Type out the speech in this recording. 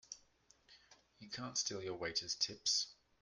You can't steal your waiters' tips!